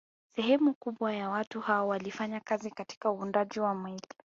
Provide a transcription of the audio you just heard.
Sehemu kubwa ya watu hao walifanya kazi katika uundaji wa meli